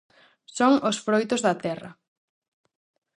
Son os froitos da terra.